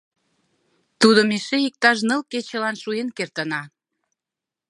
Тудым эше иктаж ныл кечылан шуен кертына.